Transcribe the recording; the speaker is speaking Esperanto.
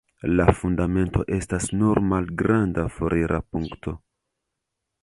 La fundamento estas nur malgranda forira punkto.